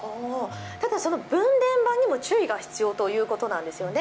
ただその分電盤にも注意が必要ということなんですよね。